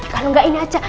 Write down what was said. kalau gak ini aja